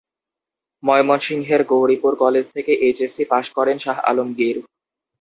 ময়মনসিংহের গৌরীপুর কলেজ থেকে HSC pass করেন করেন শাহ আলমগীর।